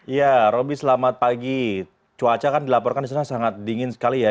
ya roby selamat pagi cuaca kan dilaporkan di sana sangat dingin sekali ya